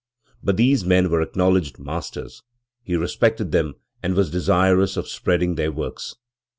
But these men were acknowledged masters: he respected them and was desirous of spreading their works.